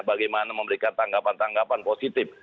bagaimana memberikan tanggapan tanggapan positif